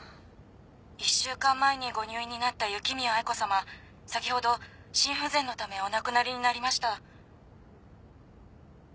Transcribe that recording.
「１週間前にご入院になった雪宮愛子様先ほど心不全のためお亡くなりになりました」